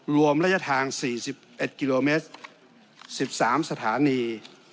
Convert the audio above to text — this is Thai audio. รวมระยะทาง๔๑กิโลเมตร๑๓สถานี